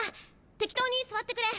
適当に座ってくれ。